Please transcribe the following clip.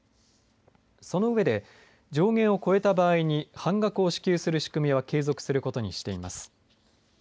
その上で上限を超えた場合に半額を支給する仕組みは継続することにしています。